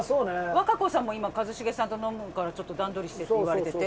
和歌子さんも今一茂さんと飲むからちょっと段取りしてって言われてて。